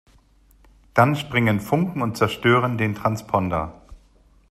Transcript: Dann springen Funken und zerstören den Transponder.